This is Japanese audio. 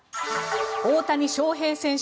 大谷翔平選手